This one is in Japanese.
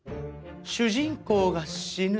主人公が死ぬ。